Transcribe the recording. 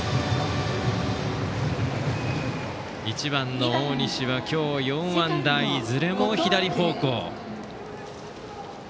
１番の大西は今日４安打いずれも左方向。